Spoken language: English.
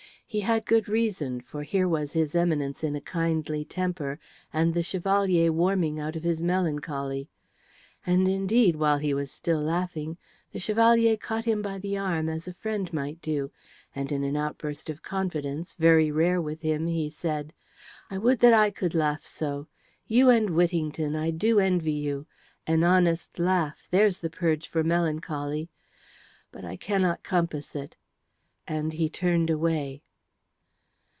He had good reason, for here was his Eminence in a kindly temper and the Chevalier warming out of his melancholy. And, indeed, while he was still laughing the Chevalier caught him by the arm as a friend might do, and in an outburst of confidence, very rare with him, he said, "I would that I could laugh so. You and Whittington, I do envy you. An honest laugh, there's the purge for melancholy. But I cannot compass it," and he turned away.